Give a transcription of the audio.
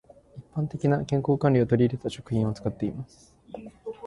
一般的な健康管理を取り入れた食品を使っています。